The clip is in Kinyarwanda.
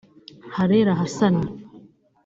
Karera Hassan